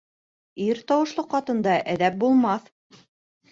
Ир тауышлы ҡатында әҙәп булмаҫ